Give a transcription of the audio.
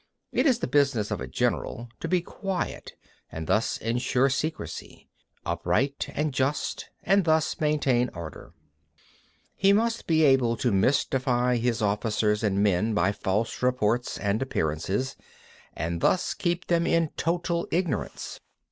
35. It is the business of a general to be quiet and thus ensure secrecy; upright and just, and thus maintain order. 36. He must be able to mystify his officers and men by false reports and appearances, and thus keep them in total ignorance.